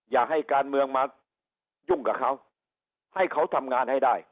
อย่าให้การเมืองมายุ่งกับเขาให้เขาทำงานให้ได้